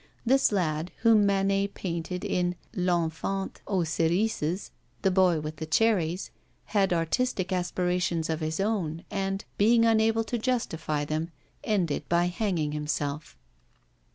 This lad, whom Manet painted in L'Enfant aux Cerises ['The Boy with the Cherries'), had artistic aspirations of his own and, being unable to justify them, ended by hanging himself.